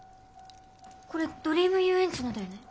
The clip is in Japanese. これドリーム遊園地のだよね。